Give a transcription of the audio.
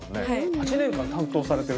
８年間担当されてる？